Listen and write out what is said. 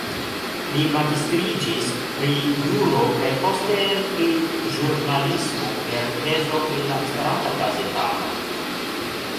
Li magistriĝis pri juro kaj poste pri ĵurnalismo per tezo pri la Esperanta gazetaro.